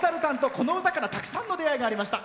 この歌からたくさんの出会いがありました。